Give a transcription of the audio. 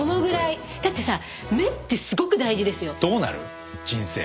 だってさ目ってすごく大事ですよ。